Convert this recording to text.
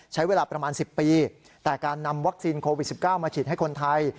ใช้เวลาประมาณ๑๐ปีแต่การนำวัคซีนโควิด๑๙มาฉีดให้คนไทย